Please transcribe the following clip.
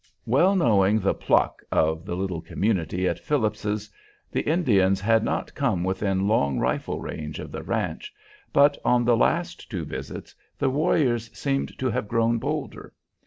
Well knowing the pluck of the little community at Phillips's, the Indians had not come within long rifle range of the ranch, but on the last two visits the warriors seemed to have grown bolder.